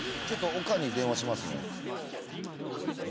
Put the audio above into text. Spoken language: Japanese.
ちょっとおかんに電話しますね。